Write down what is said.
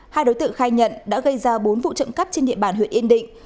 hai đối tượng khai nhận đã gây ra bốn vụ trộm cắp trên địa bàn huyện yên định